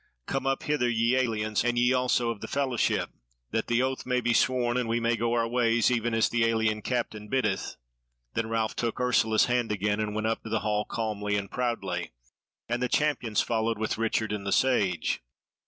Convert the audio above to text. Come up hither, ye aliens, and ye also of the fellowship, that the oath may be sworn, and we may go our ways, even as the alien captain biddeth." Then Ralph took Ursula's hand again, and went up the hall calmly and proudly, and the champions followed with Richard and the Sage.